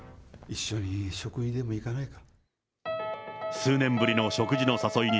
一緒に食事でも行かないか？